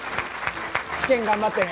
試験頑張ってね！